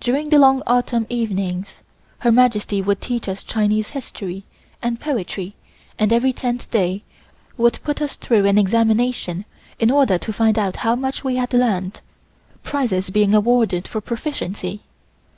During the long Autumn evenings Her Majesty would teach us Chinese history and poetry and every tenth day would put us through an examination in order to find out how much we had learned, prizes being awarded for proficiency.